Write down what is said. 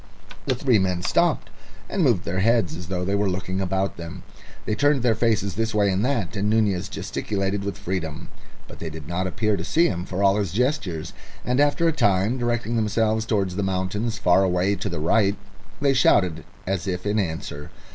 The three men stopped, and moved their heads as though they were looking about them. They turned their faces this way and that, and Nunez gesticulated with freedom. But they did not appear to see him for all his gestures, and after a time, directing themselves towards the mountains far away to the right, they shouted as if in answer.